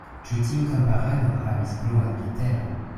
Ĉu tiu kamparano havis bluan kitelon?